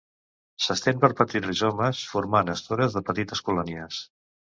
S'estén per petits rizomes, formant estores de petites colònies.